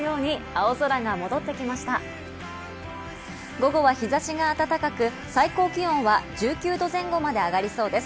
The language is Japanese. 午後は日差しが暖かく、最高気温は１９度前後まで上がりそうです。